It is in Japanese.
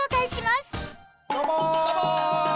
どうも！